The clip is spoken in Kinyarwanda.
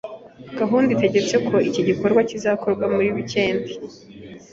Gahunda itegeka ko iki gikorwa kizakorwa muri wikendi.